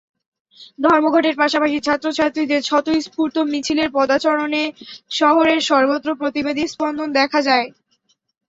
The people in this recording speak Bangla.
ধর্মঘটের পাশাপাশি ছাত্রছাত্রীদের স্বতঃস্ফূর্ত মিছিলের পদচারণে শহরের সর্বত্র প্রতিবাদী স্পন্দন দেখা দেয়।